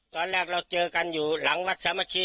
ตอนแรกเราเจอกันอยู่หลังวัดสามัคคี